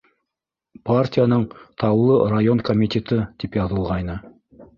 «Партияның Таулы район комитеты» тип яҙылғайны.